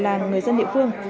nhà này là người dân địa phương